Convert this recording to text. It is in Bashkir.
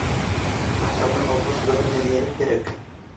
Аҡсаны алғас, бөгөн һеҙгә ни кәрәк?